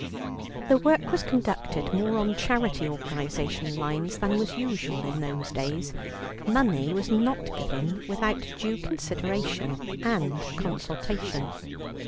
The work was conducted more on charity organization lines than was usual in those days; money was not given without due consideration and consultation.